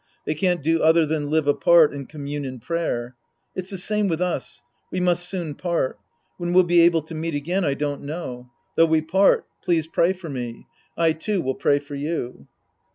They can't do other than live apart and commune in prayer. It's the same with us; we must soon part. When we'll be able to meet again, I don't know. Though we part, please pray for me. I, too, will pray for you."